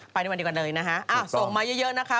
ไปในวันดีกว่าเลยนะคะส่งมาเยอะนะคะ